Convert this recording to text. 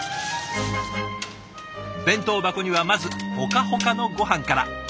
弁当箱にはまずほかほかのごはんから。